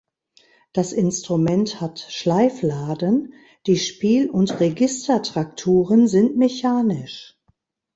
Das Instrument hat Schleifladen, die Spiel- und Registertrakturen sind mechanisch.